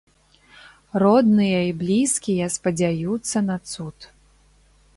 Родныя і блізкія спадзяюцца на цуд.